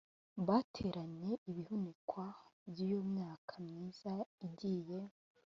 Bateranye ibihunikwa by iyo myaka myiza igiye